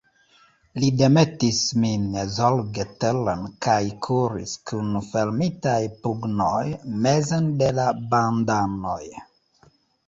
Li demetis min zorge teren kaj kuris, kun fermitaj pugnoj, mezen de la bandanoj.